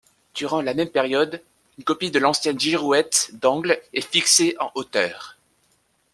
Durant la même période, une copie de l'ancienne girouette d'angle est fixée en hauteur.